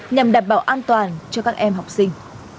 nhằm đảm bảo an toàn cho các em học sinh